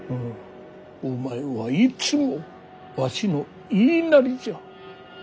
お前はいつもわしの言いなりじゃ。